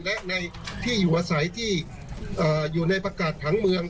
และในที่อยู่อาศัยที่อยู่ในประกาศผังเมือง